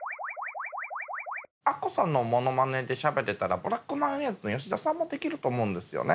アッコさんのモノマネでしゃべれたらブラックマヨネーズの吉田さんもできると思うんですよね。